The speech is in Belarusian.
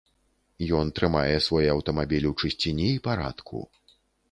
Ён трымае свой аўтамабіль у чысціні і парадку.